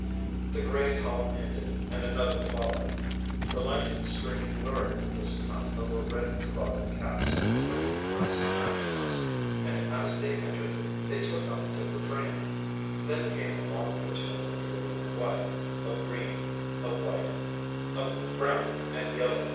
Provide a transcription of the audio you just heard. The gray column ended and another followed, the light streaming luridly this time over red toboggan caps and flaming crimson mackinaws, and as they entered they took up the refrain; then came a long platoon of blue and white, of green, of white, of brown and yellow.